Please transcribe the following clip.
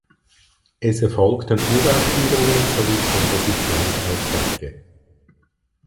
Es erfolgten Uraufführungen sowie Kompositionsaufträge.